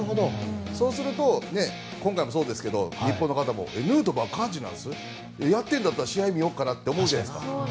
そうすると、今回もそうですけど日本の方もヌートバーはカージナルス？やっているんだったら試合見ようかなと思うじゃないですか。